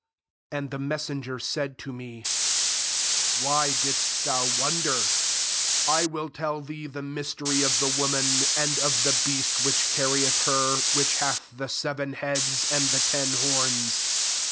7 And the messenger said to me, " Why didst thou wonder? I will tell thee the mystery of the woman, and of the beast which carrieth her, which hath the seven heads, and the ten horns.